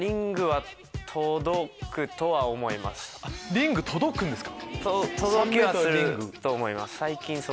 リング届くんですか！